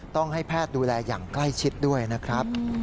ต้องให้แพทย์ดูแลอย่างใกล้ชิดด้วยนะครับ